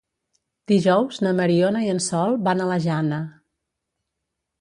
Dijous na Mariona i en Sol van a la Jana.